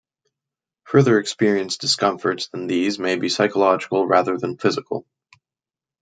Further experienced discomforts than these may be psychological rather than physical.